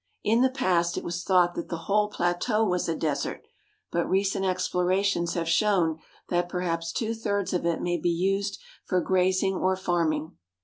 In the past it was thought that the whole plateau was a desert, but recent explorations have shown that perhaps two thirds of it may be used for grazing or farming.